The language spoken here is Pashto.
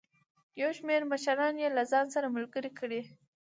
یو شمېر مشران یې له ځان سره ملګري کړي.